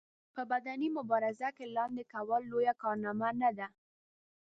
په بدني مبارزه کې لاندې کول لويه کارنامه نه ده.